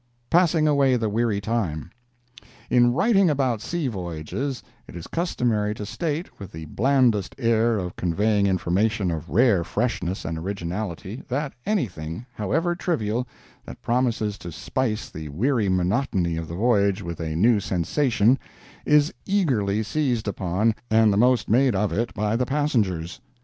PASSING AWAY THE WEARY TIME In writing about sea voyages it is customary to state, with the blandest air of conveying information of rare freshness and originality, that anything, however trivial, that promises to spice the weary monotony of the voyage with a new sensation, is eagerly seized upon and the most made of it by the passengers.